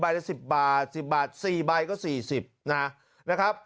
ละ๑๐บาท๑๐บาท๔ใบก็๔๐นะครับ